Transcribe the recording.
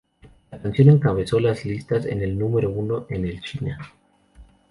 La canción encabezó las listas en el número uno en el China.